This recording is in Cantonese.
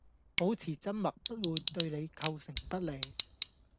保持緘默不會對你構成不利